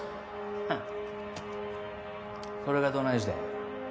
ハッそれがどないしてん。